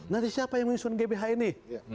nanti siapa yang mengusung gbhn ini